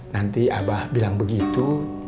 nanti abah bilang begitu